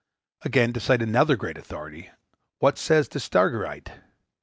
Again, to cite another great authority, what says the Stagyrite?